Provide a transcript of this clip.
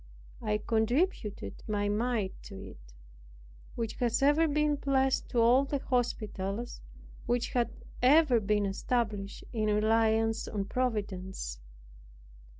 I contributed my mite to it which has ever been blest to all the hospitals, which have ever been established in reliance on Providence.